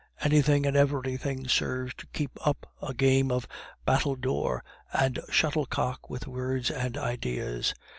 Anything and everything serves to keep up a game of battledore and shuttlecock with words and ideas.